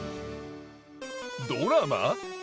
ドラマ？